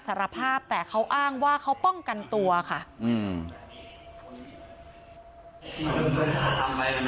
สารภาพแต่เขาอ้างว่าเขาป้องกันตัวค่ะอืม